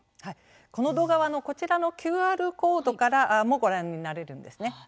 この動画はこちらのＱＲコードからもご覧になれるんですね。